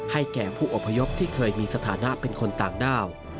แก่ผู้อพยพที่เคยมีสถานะเป็นคนต่างด้าว